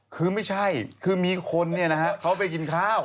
คือไม่ใช่คือมีคนเขาไปกินข้าว